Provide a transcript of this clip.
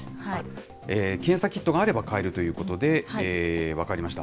検査キットがあれば買えるということで、分かりました。